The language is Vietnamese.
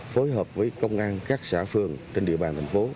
phối hợp với công an các xã phường trên địa bàn thành phố